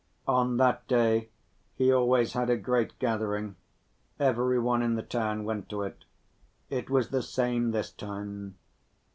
On that day he always had a great gathering, every one in the town went to it. It was the same this time.